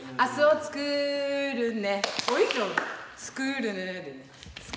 「作るね」